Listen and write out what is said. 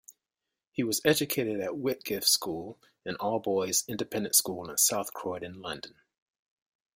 He was educated at Whitgift School, an all-boys independent school in South Croydon, London.